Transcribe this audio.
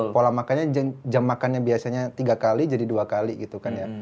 pola makannya jam makannya biasanya tiga kali jadi dua kali gitu kan ya